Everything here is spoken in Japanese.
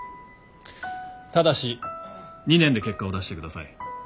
ただし２年で結果を出してください。